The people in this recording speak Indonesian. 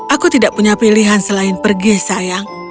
aku tidak punya pilihan selain pergi sayang